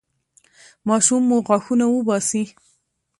ماشوم مو غاښونه وباسي؟